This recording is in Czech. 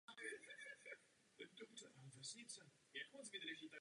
Housenky se vyvíjejí mezi květnem a červencem následujícího roku.